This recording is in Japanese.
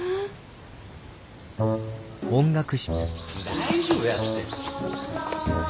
大丈夫やって。